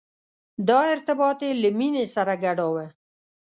دا ارتباط یې له مینې سره ګډاوه.